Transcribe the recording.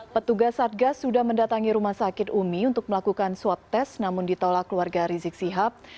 petugas satgas sudah mendatangi rumah sakit umi untuk melakukan swab test namun ditolak keluarga rizik sihab